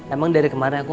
emang dari kemarin aku